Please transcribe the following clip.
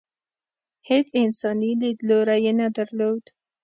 هېڅ انساني لیدلوری یې نه درلود.